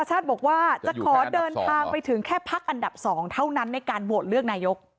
ชาติบอกว่าจะขอเดินทางไปถึงแค่พักอันดับ๒เท่านั้นในการโหวตเลือกนายก